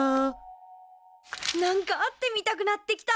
なんか会ってみたくなってきた。